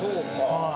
はい。